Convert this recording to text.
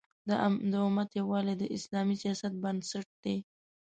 د امت یووالی د اسلامي سیاست بنسټ دی.